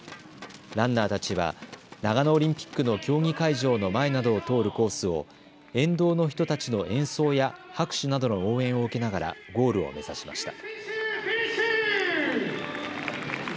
ランナーたちは長野オリンピックの競技会場の前などを通るコースを沿道の人たちの演奏や拍手などの応援を受けながらゴールを目指しました。